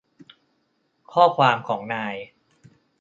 ข้อความของนาย